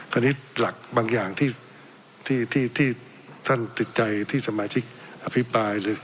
คราวนี้หลักบางอย่างที่ท่านติดใจที่สมาชิกอภิปรายหรือ